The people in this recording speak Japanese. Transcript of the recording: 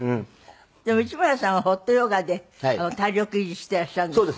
でも市村さんはホットヨガで体力維持していらっしゃるんですって？